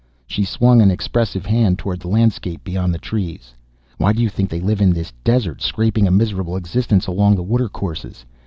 She swung an expressive hand toward the landscape beyond the trees. "Why do you think they live in this desert, scraping a miserable existence along the watercourses?